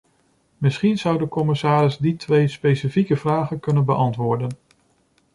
Misschien zou de commissaris die twee specifieke vragen kunnen beantwoorden.